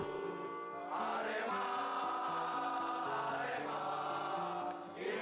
atau eta bergunaichtsya tidak rasanya